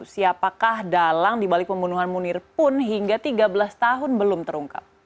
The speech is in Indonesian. siapakah dalang dibalik pembunuhan munir pun hingga tiga belas tahun belum terungkap